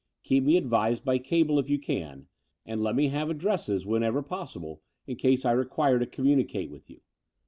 Keep me advised by cable if you can ; and let me have ad dresses, whenever possible, in case I require to commtmicate with you.